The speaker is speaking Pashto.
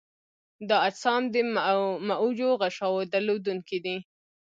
دا اجسام د معوجو غشاوو درلودونکي دي.